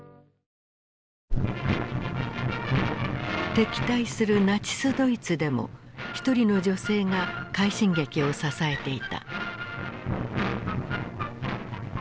敵対するナチスドイツでも１人の女性が快進撃を支えていた。